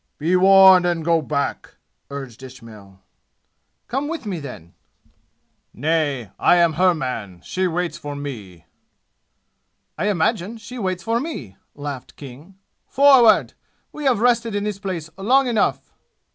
"Be warned and go back!" urged Ismail. "Come with me, then." "Nay, I am her man. She waits for me!" "I imagine she waits for me!" laughed King. "Forward! We have rested in this place long enough!"